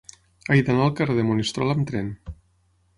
He d'anar al carrer de Monistrol amb tren.